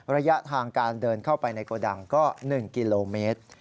ระยะทางการเดินเข้าไปในโกดังก็๑กิโลเมตร